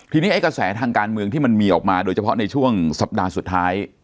ทีนี้ไอ้กระแสทางการเมืองที่มันมีออกมาโดยเฉพาะในช่วงสัปดาห์สุดท้าย